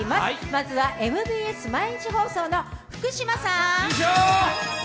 まずはＭＢＳ毎日放送の福島さん。